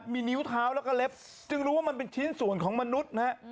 มีนิ้วเท้าแล้วก็เล็บจึงรู้ว่ามันเป็นชิ้นส่วนของมนุษย์นะฮะ